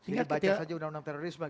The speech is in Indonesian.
kita baca saja undang undang terorisme